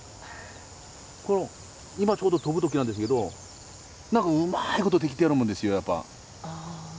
今ちょうど飛ぶときなんですけどなんかうまいことできてるもんですよやっぱ。